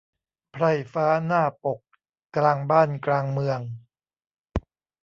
ไพร่ฟ้าหน้าปก กลางบ้าน กลางเมือง